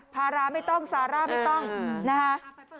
ภาระไม่ต้องซาร่าไม่ต้องนะคะ